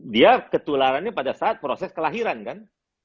dia ketularannya pada saat proses kelahiran kan